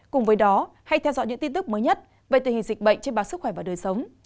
cùng với đó hãy theo dõi những tin tức mới nhất về tình hình dịch bệnh trên báo sức khỏe và đời sống